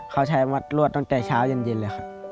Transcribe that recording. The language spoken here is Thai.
เขาใช้มารวดตั้งแต่เช้าเย็นเลยค่ะ